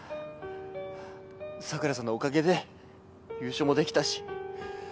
桜さんのおかげで優勝もできたし。